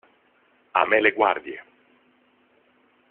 A me le guardie!